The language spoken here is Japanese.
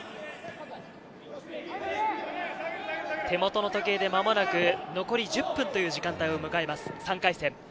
手元の時計で間もなく残り１０分という時間帯を迎えます、３回戦。